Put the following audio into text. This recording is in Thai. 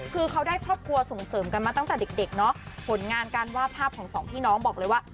คือเขาได้ครอบครัวส่งเสริมกันมาตั้งแต่เด็กเด็กเนาะผลงานการวาดภาพของสองพี่น้องบอกเลยว่า